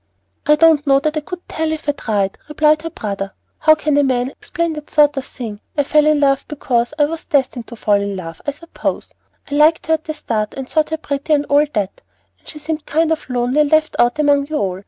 "I don't know that I could tell you if I tried," replied her brother. "How can a man explain that sort of thing? I fell in love because I was destined to fall in love, I suppose. I liked her at the start, and thought her pretty, and all that; and she seemed kind of lonely and left out among you all.